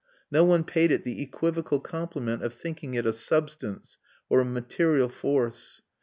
No one paid it the equivocal compliment of thinking it a substance or a material force.